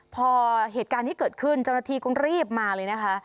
พอเหตุการณ์ที่เกิดขึ้นเจ้าหน้าที่ก็รีบมาเลยนะคะ